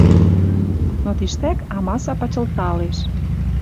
Но тиштӓк амаса пачылталеш